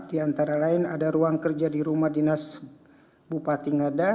di antara lain ada ruang kerja di rumah dinas bupati ngada